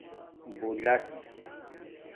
بُولس